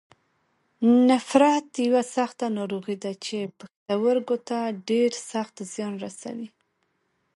نفریت یوه سخته ناروغي ده چې پښتورګو ته ډېر سخت زیان رسوي.